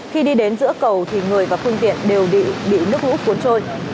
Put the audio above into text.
khi đi đến giữa cầu thì người và phương tiện đều bị nước lũ cuốn trôi